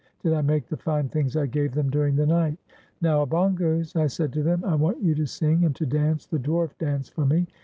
Did I make the fine things I gave them during the night? "Now, Obongos," I said to them, "I want you to sing and to dance the dwarf dance for me."